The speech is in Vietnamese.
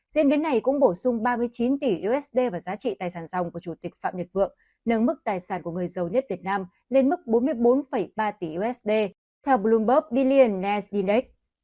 diễn biến này cũng bổ sung ba mươi chín tỷ usd vào giá trị tài sản dòng của chủ tịch phạm nhật vượng nâng mức tài sản của người giàu nhất việt nam lên mức bốn mươi bốn ba tỷ usd theo bloomberg billlion airzinect